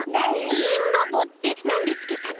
いいんロボってなんでつけたの？